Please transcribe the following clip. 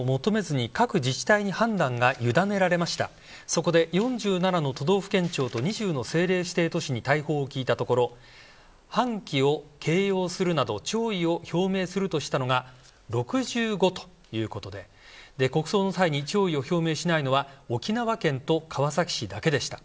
そこで４７府県の都道府県庁と２０の政令指定都市に対応を聞いたところ半旗を掲揚するなど弔意を表明するとしたのが６５ということで、国葬の際に弔意を表明しないのは沖縄県と川崎市だけでした。